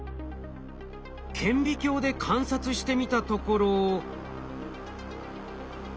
顕微鏡で観察してみたところ。